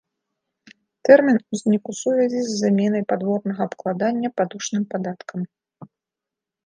Тэрмін узнік у сувязі з заменай падворнага абкладання падушным падаткам.